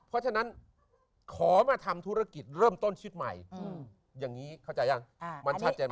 เพราะฉะนั้นขอมาทำธุรกิจเริ่มต้นชีวิตใหม่อย่างนี้เข้าใจยังมันชัดเจน